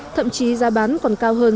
thậm chí giá bán còn cao hơn